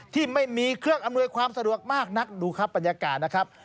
ที่ไม่มีเครื่องอำนวยความสะดวกมากนักดูครับบรรยากาศนะครับ